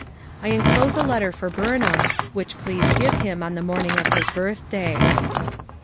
I enclose a letter for Burnham, which please give him on the morning of his birthday.''